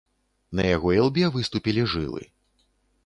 На яго ілбе выступілі жылы.